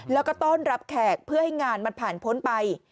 แล้วก็ต้อนรับแขกเพื่อให้งานมันผ่านพ้นไป